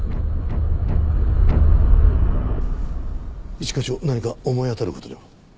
一課長何か思い当たる事でも？